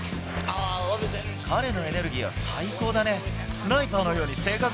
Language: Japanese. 彼のエネルギーは最高だね。